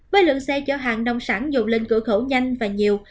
với lượng xe chở hàng nông sản dồn lên cửa khẩu nhanh và nhiều